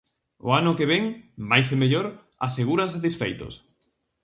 O ano que vén, máis e mellor, aseguran satisfeitos.